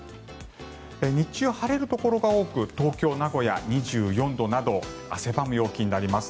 日中、晴れるところが多く東京、名古屋２４度など汗ばむ陽気になります。